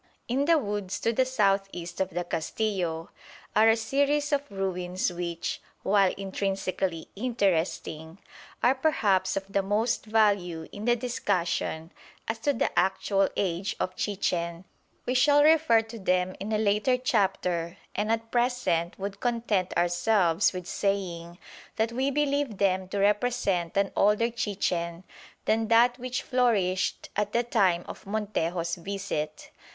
In the woods to the south east of the Castillo are a series of ruins which, while intrinsically interesting, are perhaps of most value in the discussion as to the actual age of Chichen. We shall refer to them in a later chapter, and at present would content ourselves with saying that we believe them to represent an older Chichen than that which flourished at the time of Montejo's visit.